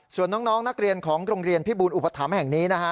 ส่วนน้องนักเรียนของโรงเรียนพิบูลอุปถัมภ์แห่งนี้นะฮะ